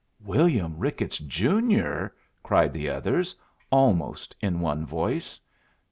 "William Ricketts, Junior?" cried the others, almost in one voice.